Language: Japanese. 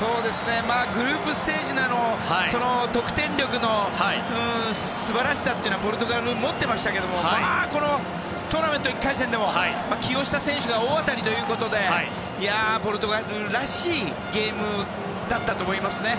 グループステージでも得点力の素晴らしさというのはポルトガルは持っていましたがこのトーナメント１回戦でも起用した選手が大当たりということでポルトガルらしいゲームだったと思いますね。